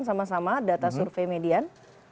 sama sama data survei median